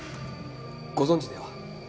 ご存じでは？